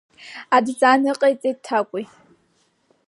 Адҵа ныҟаиҵеит Ҭакәи.